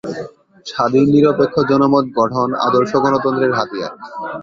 স্বাধীন নিরপেক্ষ জনমত গঠন আদর্শ গণতন্ত্রের হাতিয়ার।